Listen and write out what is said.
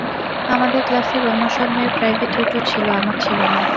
আমাদের ক্লাসের অন্যসব মেয়ের প্রাইভেট টিউটর ছিল, আমার ছিল না।